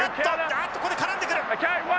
あっとここで絡んでくる。